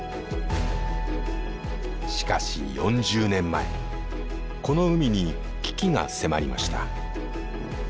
しかし４０年前この海に危機が迫りました。